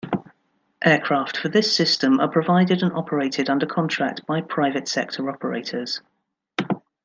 Aircraft for this system are provided and operated under contract by private sector operators.